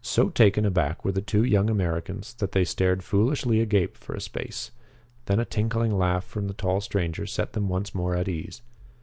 So taken aback were the two young Americans that they stared foolishly agape for a space. Then a tinkling laugh from the tall stranger set them once more at ease.